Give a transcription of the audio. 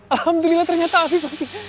alhamdulillah ternyata afif masih